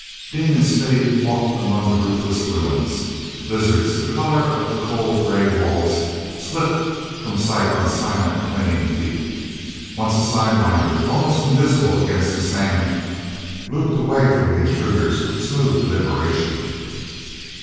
ean and Smithy walked among the roofless ruins. Lizards, the color of the cold, gray walls, slipped from sight on silent, clinging feet. Once a sidewinder, almost invisible against the sand, looped away from the intruders with smooth deliberation.